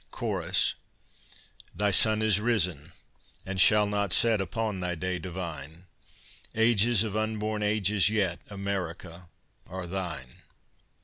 Chorus Thy sun is risen, and shall not set, Upon thy day divine; Ages, of unborn ages, yet, America, are thine.